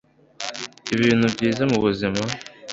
ibintu byiza mubuzima